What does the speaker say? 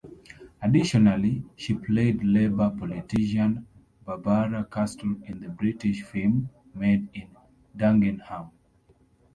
Additionally, she played Labour politician Barbara Castle in the British film "Made in Dagenham".